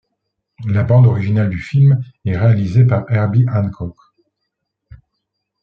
La bande originale du film est réalisée par Herbie Hancock.